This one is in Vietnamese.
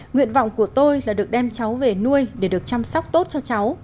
nguyện vọng của tôi là được đem cháu về nuôi để được chăm sóc tốt cho cháu